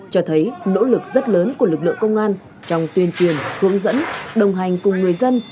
cho thấy nỗ lực rất lớn của lực lượng công an trong tuyên truyền hướng dẫn đồng hành cùng người dân